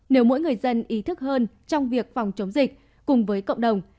nếu mỗi người dân ý thức hơn trong việc phòng chống dịch cùng với cộng đồng